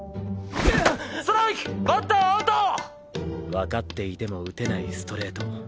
分かっていても打てないストレート。